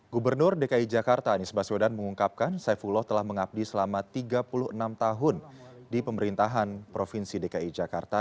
gubernur dki jakarta anies baswedan mengungkapkan saifullah telah mengabdi selama tiga puluh enam tahun di pemerintahan provinsi dki jakarta